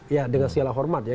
ya dengan segala hormat ya